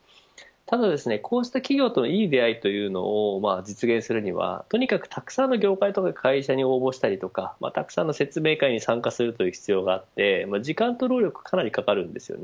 ただ、こうした企業とのいい出会いというのを実現するにはとにかくたくさんの業界と会社に応募したりたくさんの説明会に参加する必要があって、時間と労力がかなりかかります。